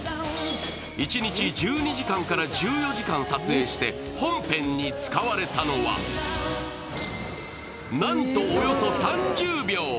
一日１２時間から１４時間撮影して本編に使われたのは、なんと、およそ３０秒。